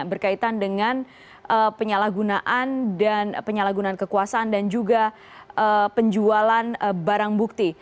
berkaitan dengan penyalahgunaan dan penyalahgunaan kekuasaan dan juga penjualan barang bukti